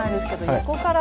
横から？